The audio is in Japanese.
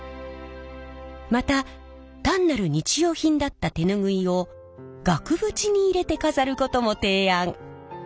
また単なる日用品だった手ぬぐいを額縁に入れて飾ることも提案。